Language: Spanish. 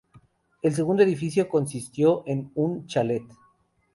El segundo edificio consistió en un chalet.